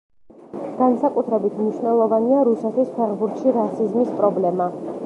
განსაკუთრებით მნიშვნელოვანია რუსეთის ფეხბურთში რასიზმის პრობლემა.